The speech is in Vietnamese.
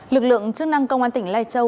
lực lượng chức năng công an tỉnh lai châu